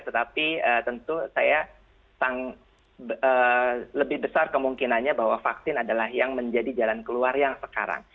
tetapi tentu saya lebih besar kemungkinannya bahwa vaksin adalah yang menjadi jalan keluar yang sekarang